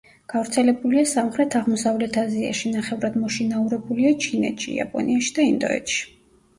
გავრცელებულია სამხრეთ-აღმოსავლეთ აზიაში; ნახევრად მოშინაურებულია ჩინეთში, იაპონიაში და ინდოეთში.